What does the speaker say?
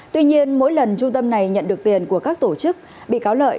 tuy nhiên mỗi lần trung tâm này nhận được tiền của các tổ chức bị cáo lợi